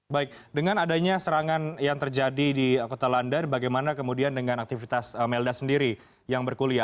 baik dengan adanya serangan yang terjadi di kota london bagaimana kemudian dengan aktivitas melda sendiri yang berkuliah